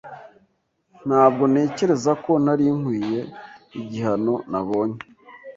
Ntabwo ntekereza ko nari nkwiye igihano nabonye.